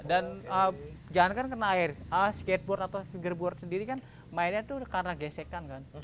dan jangankan kena air skateboard atau fingerboard sendiri kan mainnya itu karena gesekan kan